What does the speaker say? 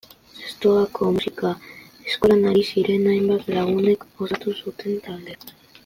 Zestoako musika eskolan ari ziren hainbat lagunek osatu zuten taldea.